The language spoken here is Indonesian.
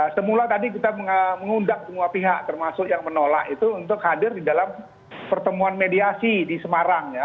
semula tadi kita mengundang semua pihak termasuk yang menolak itu untuk hadir di dalam pertemuan mediasi di semarang ya